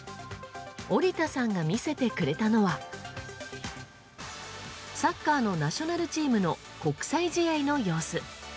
折田さんが見せてくれたのはサッカーのナショナルチームの国際試合の様子。